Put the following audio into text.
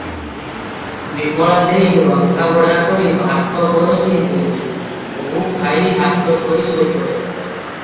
ବିମଳା ଦେଈ ରନ୍ଧାବଢ଼ା କରି ଭାତ ପରଷି ଦିଅନ୍ତି, ବୋହୂ ଖାଇ ହାତ ଧୋଇ ଶୋଇପଡ଼େ ।